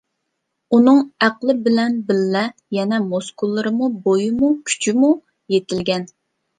ئۇنىڭ ئەقلى بىلەن بىللە يەنە مۇسكۇللىرىمۇ، بويىمۇ، كۈچىمۇ يېتىلگەن.